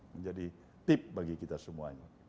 menjadi tip bagi kita semuanya